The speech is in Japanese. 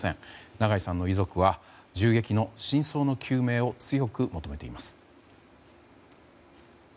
長井さんの遺族は銃撃の真相の究明を強く求めています。